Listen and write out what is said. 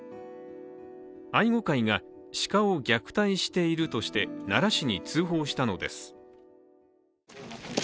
愛護会が鹿を虐待しているとして奈良市に通報したのです。